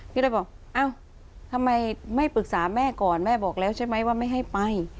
พี่เลยบอกเอ้าทำไมไม่ปรึกษาแม่ก่อนแม่บอกแล้วใช่ไหมว่าไม่ให้ไป